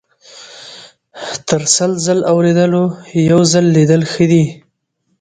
- تر سل ځل اوریدلو یو ځل لیدل ښه دي.